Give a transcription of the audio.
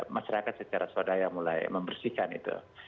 masyarakat secara swadaya mulai membersihkan itu